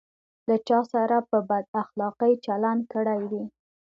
له چا سره په بد اخلاقي چلند کړی وي.